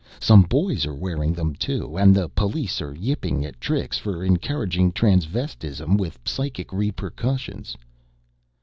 Some boys are wearing them too, and the police are yipping at Trix for encouraging transvestism with psychic repercussions."